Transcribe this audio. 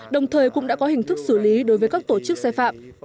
đồng thời cũng đã có hình thức xử lý đối với các tổ chức sai phạm